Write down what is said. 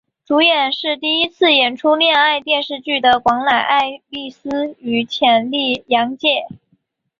主演是第一次演出恋爱电视剧的广濑爱丽丝与浅利阳介。